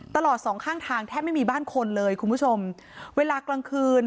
สองข้างทางแทบไม่มีบ้านคนเลยคุณผู้ชมเวลากลางคืน